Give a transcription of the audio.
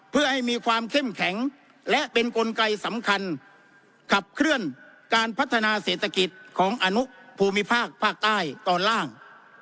เพื่อให้มีความเข้มแข็งและเป็นกลไกสำคัญขับเคลื่อนการพัฒนาเศรษฐกิจของอนุภูมิภาคภาคใต้ตอนล่าง